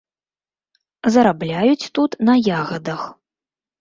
Зарабляюць тут на ягадах.